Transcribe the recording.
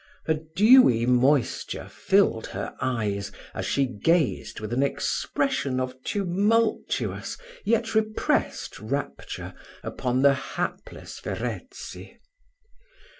A dewy moisture filled her eyes, as she gazed with an expression of tumultuous, yet repressed rapture, upon the hapless Verezzi.